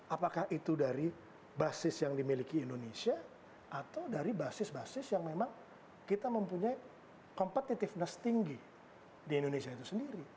apakah itu dari basis yang dimiliki indonesia atau dari basis basis yang memang kita mempunyai competitiveness tinggi di indonesia itu sendiri